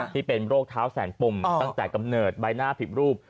ที่เป็นโรคเท้าแสนปมตั้งแต่กำเนิดใบหน้าผิดรูป